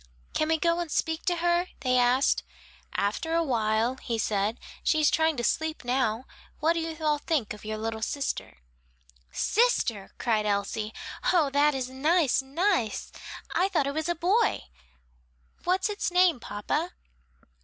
"Can we go and speak to her?" they asked. "After a while," he said, "she is trying to sleep now. What do you all think of the little sister?" "Sister," cried Elsie. "Oh, that is nice, nice! I thought it was a boy. What's its name, papa?"